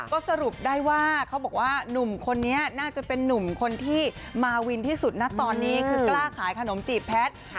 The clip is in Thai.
ก็สรุปได้ว่าเขาบอกว่าหนุ่มคนนี้น่าจะเป็นนุ่มคนที่มาวินที่สุดนะตอนนี้คือกล้าขายขนมจีบแพทย์